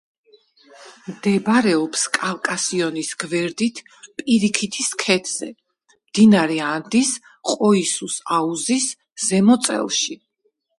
მდებარეობს კავკასიონის გვერდით პირიქითის ქედზე, მდინარე ანდის ყოისუს აუზის ზემო წელში.